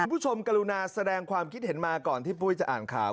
กรุณาแสดงความคิดเห็นมาก่อนที่ปุ้ยจะอ่านข่าว